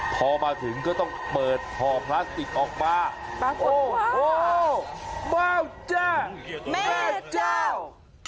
พอมาถึงก็ต้องเปิดห่อพลาสติกออกมาบางคนแม่เจ้า